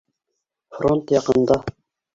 Фронт яҡында.